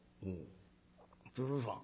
「鶴さん。